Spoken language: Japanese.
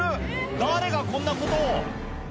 誰がこんなことを？